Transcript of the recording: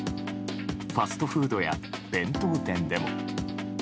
ファストフードや弁当店でも。